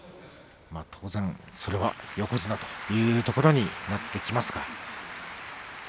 当然それは横綱というところになってきますか？